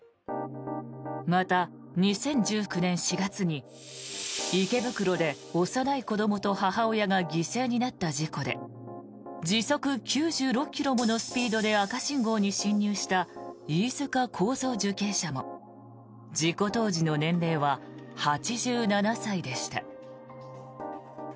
また２０１９年４月に池袋で幼い子どもと母親が犠牲になった事故で時速９６ｋｍものスピードで赤信号に進入した飯塚幸三受刑者も事故当時の年齢は８７歳でした。